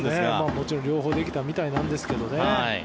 もちろん両方できたみたいなんですけどね。